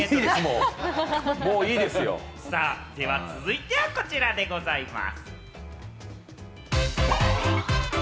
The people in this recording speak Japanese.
では続いてはこちらでございます。